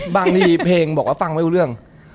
บางทีเพลงบอกว่าฟังไม่รู้เรื่อง